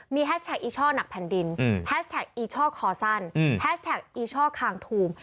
มีอีช่อนักพันธ์ดินอีช่อคอสั้นอีช่อคางธูม